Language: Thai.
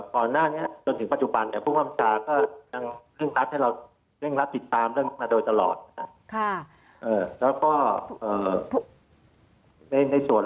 ก่อนหน้านี้จนถึงปัจจุบันผู้ความสารก็ยังร่วมรับติดตามเรื่องนี้มาโดยตลอด